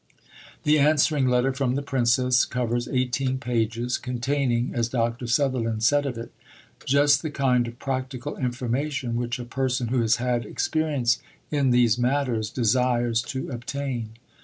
The answering letter from the Princess covers eighteen pages, containing (as Dr. Sutherland said of it) "just the kind of practical information which a person who has had experience in these matters desires to obtain."